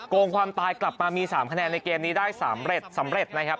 งความตายกลับมามี๓คะแนนในเกมนี้ได้สำเร็จสำเร็จนะครับ